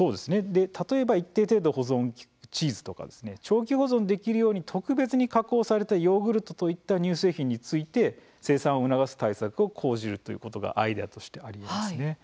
例えば一定程度保存が利くチーズとか長期保存できるように特別に加工されたヨーグルトといった乳製品について生産を促す対策を講じるということがアイデアとしてありますね。